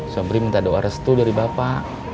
sobri minta doa restu dari bapak